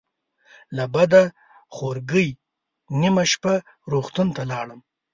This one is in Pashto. له بده خورګۍ نیمه شپه روغتون ته لاړم.